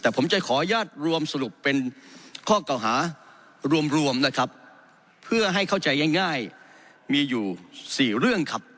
แต่ผมจะขออนุญาตรวมสรุปเป็นข้อเก่าหารวมนะครับเพื่อให้เข้าใจง่ายมีอยู่๔เรื่องครับ